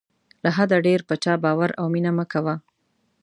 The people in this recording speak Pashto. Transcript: له حده ډېر په چا باور او مینه مه کوه.